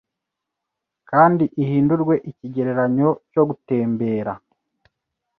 kandi ihindurwe ikigereranyo cyo gutembera